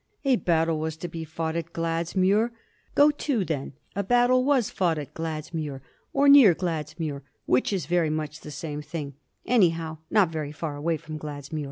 A battle was to be fought at Gladsmuir ; go to, then — a battle was fought at Gladsmuir, or near Glads muir, ^ hich is very much the same thing : anyhow, not very far away from Gladsmuir.